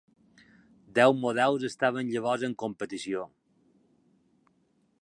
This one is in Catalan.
Deu models estaven llavors en competició.